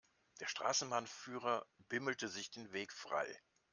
Der Straßenbahnführer bimmelte sich den Weg frei.